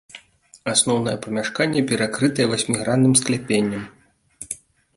Асноўнае памяшканне перакрытае васьмігранным скляпеннем.